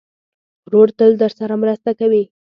ورور تل درسره مرسته کوي.